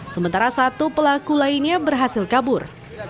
sementara satu pelaku lainnya berhasil kabur